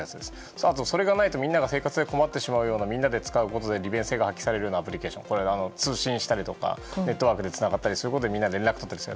あとはそれがないとみんなが生活が困ってしまうようなみんなで使うことで利便性が発揮されるアプリケーション通信したりとかネットワークでつながることでみんなで連絡を取ったり。